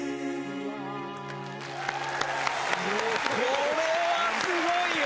これはすごいよ！